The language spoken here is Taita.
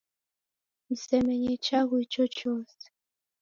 Msemenye chaghu ichochose